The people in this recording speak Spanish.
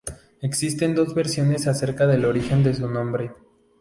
Existen dos versiones acerca del origen de su nombre.